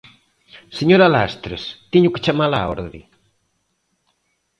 Señora Lastres, ¿teño que chamala á orde?